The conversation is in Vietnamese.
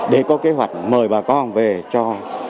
để có kế hoạch mời bà con về cho